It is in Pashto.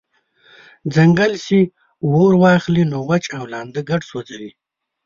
« ځنګل چی اور واخلی نو وچ او لانده ګډ سوځوي»